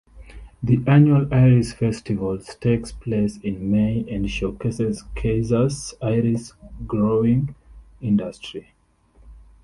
The annual Iris Festival takes place in May and showcases Keizer's iris-growing industry.